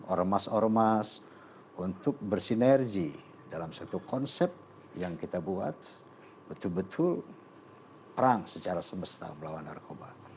ormas ormas untuk bersinergi dalam suatu konsep yang kita buat betul betul perang secara semesta melawan narkoba